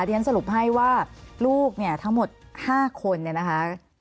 ทีนั้นสรุปให้ว่าลูกทั้งหมด๕คนนะคะ